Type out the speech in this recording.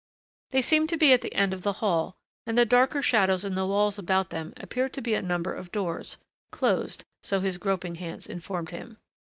They seemed to be at the end of the hall and the darker shadows in the walls about them appeared to be a number of doors closed, so his groping hands informed him.